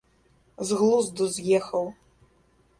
З глузду з ехаў.